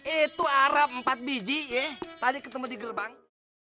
itu arab empat biji eh tadi ketemu di gerbang